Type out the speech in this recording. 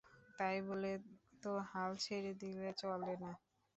তাই বলে তো হাল ছেড়ে দিলে চলে না।